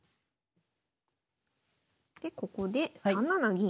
でここで３七銀。